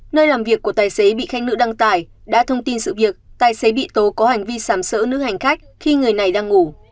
nơi làm việc của tài xế bị khanh nữ đăng tải đã thông tin sự việc tài xế bị tố có hành vi sàm sỡ nước hành khách khi người này đang ngủ